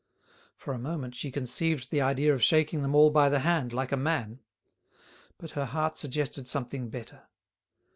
For a moment she conceived the idea of shaking them all by the hand like a man. But her heart suggested something better.